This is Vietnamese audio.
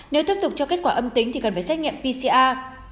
nếu tiếp tục cho kết quả âm tính thì cần phải xét nghiệm pcr